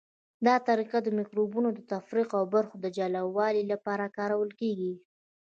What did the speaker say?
دا طریقه د مکروبونو د تفریق او برخو د جلاوالي لپاره کارول کیږي.